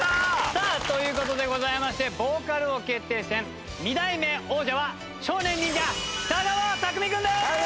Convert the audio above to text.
さあという事でございましてヴォーカル王決定戦２代目王者は少年忍者北川拓実くんです！